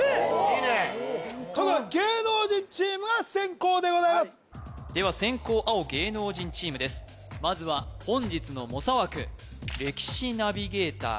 いいねということは芸能人チームが先攻でございますでは先攻青芸能人チームですまずは本日の猛者枠歴史ナビゲーター